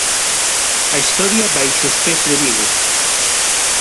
A historia baixo os pés de Vigo.